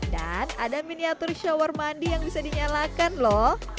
dan ada miniatur shower mandi yang bisa dinyalakan loh